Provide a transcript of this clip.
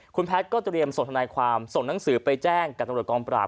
คุณแพทย์ก็เตรียมส่งทนายความส่งหนังสือไปแจ้งกับตำรวจกองปราบ